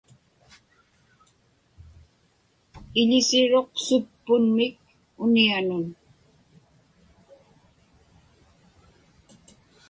Iḷisiruq suppunmik unianun.